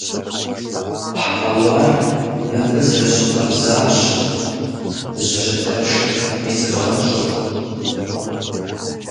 Хьэуар мыбы зэрыщыкъабзащэ, зыжьэдэпшэ пэтми, зыбгъэнщӀыркъым.